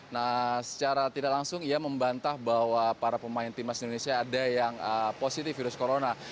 nah secara tidak langsung ia membantah bahwa para pemain timnas indonesia ada yang positif virus corona